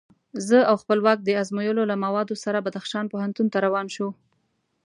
زه او خپلواک د ازموینو له موادو سره بدخشان پوهنتون ته روان شوو.